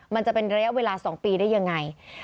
มันจะเป็นระยะเวลา๒ปีได้ยังไง